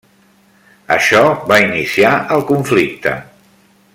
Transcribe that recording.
Això va iniciar el conflicte.